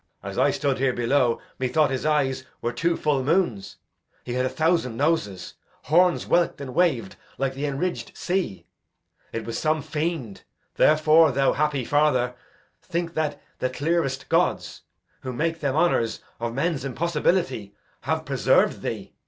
Edg. As I stood here below, methought his eyes Were two full moons; he had a thousand noses, Horns whelk'd and wav'd like the enridged sea. It was some fiend. Therefore, thou happy father, Think that the clearest gods, who make them honours Of men's impossibility, have preserv'd thee.